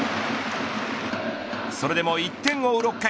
それでも１点を追う６回。